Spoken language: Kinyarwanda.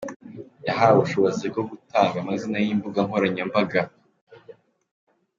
yahawe ubushobozi bwo gutanga amazina y’imbuga Nkoranya mbaga